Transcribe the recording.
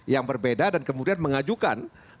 yang berbeda dan kemudian mengajukan